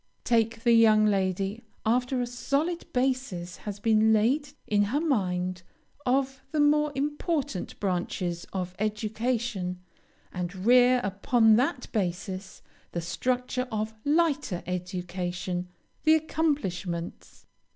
Take the young lady after a solid basis has been laid in her mind of the more important branches of education, and rear upon that basis the structure of lighter education the accomplishments.